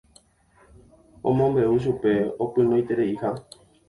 omombe'u chupe opynoitereiha